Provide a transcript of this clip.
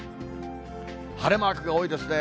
晴れマークが多いですね。